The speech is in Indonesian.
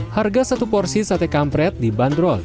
harga satu porsi sate kampret di bandrol